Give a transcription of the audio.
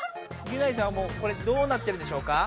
ギュナイさんはもうこれどうなってるでしょうか？